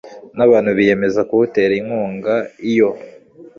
n abantu biyemeza kuwutera inkunga iyo